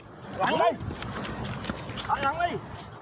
หลังหนังเลย